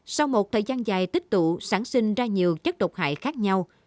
sau một thời gian dài tích tụ sản sinh ra nhiều chất độc hại khác nhau